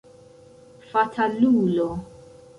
Fatalulo!